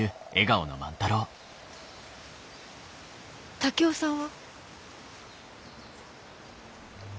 竹雄さんは？